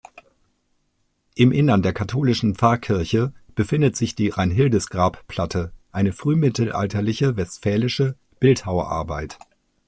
Im Innern der katholischen Pfarrkirche befindet sich die Reinhildis-Grabplatte, eine frühmittelalterliche westfälische Bildhauerarbeit.